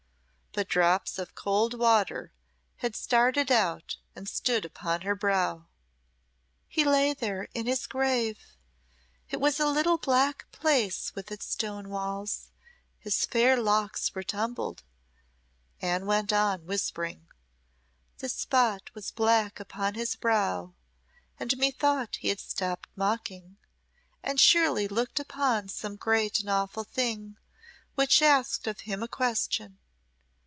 But drops of cold water had started out and stood upon her brow. "He lay there in his grave it was a little black place with its stone walls his fair locks were tumbled," Anne went on, whispering. "The spot was black upon his brow and methought he had stopped mocking, and surely looked upon some great and awful thing which asked of him a question.